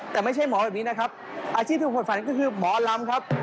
แต่ไม่ใช่หมอแบบนี้นะครับอาชีพที่ถูกคนฝันก็คือหมอลำครับ